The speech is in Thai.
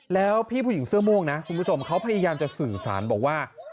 แล้วพี่ผู้หญิงเสื้อม่วงนะคุณผู้ชมเขาพยายามจะสื่อสารบอกว่า